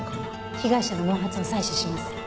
被害者の毛髪を採取します。